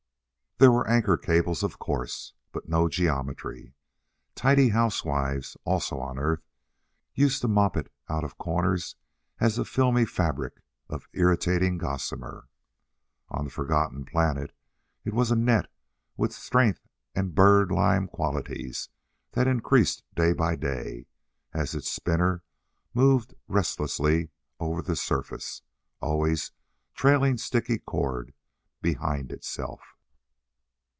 There were anchor cables, of course, but no geometry. Tidy housewives also on Earth used to mop it out of corners as a filmy fabric of irritating gossamer. On the forgotten planet it was a net with strength and bird lime qualities that increased day by day, as its spinner moved restlessly over the surface, always trailing sticky cord behind itself.